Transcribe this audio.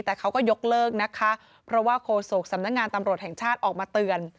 แต่เขาก็ยกเลิกนะคะเพราะว่าโคศกสำนักงานตำรวจแห่งชาติออกมาเตือน